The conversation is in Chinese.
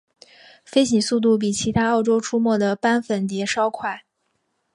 飞行速度比其他澳洲出没的斑粉蝶稍快。